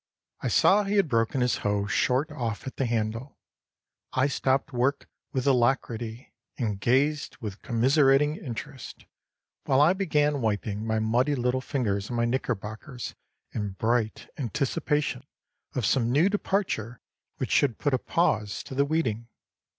I saw he had broken his hoe short off at the handle. I stopped work with alacrity, and gazed with commiserating interest, while I began wiping my muddy little fingers on my knickerbockers in bright anticipation of some new departure which should put a pause to the weeding.